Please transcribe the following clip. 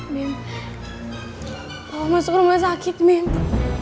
bim aku mau masuk rumah sakit bim